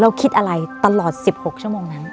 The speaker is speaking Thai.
คิดอะไรตลอด๑๖ชั่วโมงนั้น